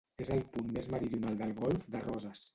És el punt més meridional del Golf de Roses.